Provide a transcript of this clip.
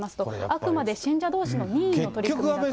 あくまで信者どうしの任意の取り組みだと。